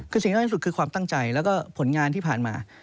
คือสิ่งสำคัญที่สุดคือความตั้งใจแล้วก็ผลงานที่ผ่านมา